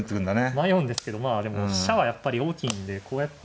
迷うんですけどまあでも飛車はやっぱり大きいんでこうやって。